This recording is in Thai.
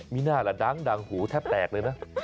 มีหน้าล่ะดังหูแทบแตกเลยนะ